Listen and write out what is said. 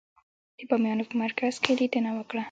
د بامیانو په مرکز کې لیدنه وکړه.